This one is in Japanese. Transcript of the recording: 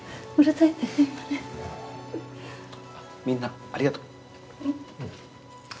みんなありがとう。